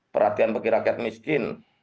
perhatian bagi rakyat miskin